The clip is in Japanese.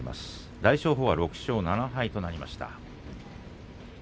大翔鵬は、６勝７敗となりました。